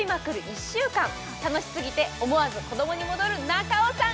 １週間楽しすぎて思わず子供に戻る中尾さん